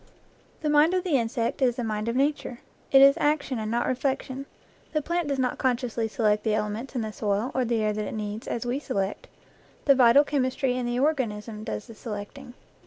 The mind of the insect is the mind of Nature; it is action and not reflection. The plant does not con sciously select the elements in the soil or the air that it needs, as we select; the vital chemistry in the organism does the selecting.